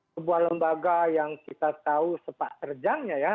sebuah lembaga yang kita tahu sepak terjangnya ya